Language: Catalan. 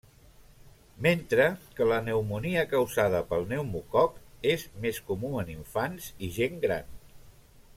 Mentre que la pneumònia causada pel pneumococ és més comú en infants i gent gran.